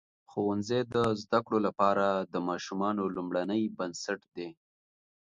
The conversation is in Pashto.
ښوونځی د زده کړو لپاره د ماشومانو لومړنۍ بنسټ دی.